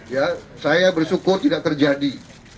ya saya bersyukur tidak terjadi